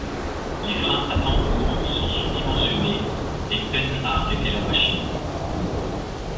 Les freins à tambour sont sous-dimensionnés et peinent à arrêter la machine.